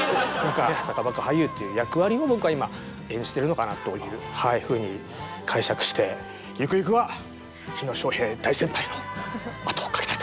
坂バカ俳優っていう役割を僕は今演じてるのかなというふうに解釈してゆくゆくは火野正平大先輩のあとを追っかけたいと思います。